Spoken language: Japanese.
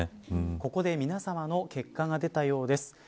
ここで皆さまの結果が出たようです。